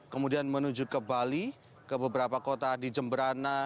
kemudian menuju ke bali ke beberapa kota di jemberana